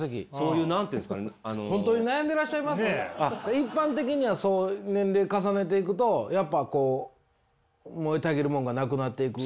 一般的には年齢重ねていくとやっぱこう燃えたぎるものがなくなっていく。